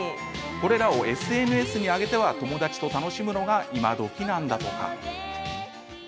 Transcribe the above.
これらをＳＮＳに上げては友達と楽しむのが今どきなんだとか。